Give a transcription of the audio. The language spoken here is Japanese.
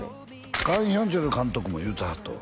カン・ヒョンチョル監督も言うてはったわ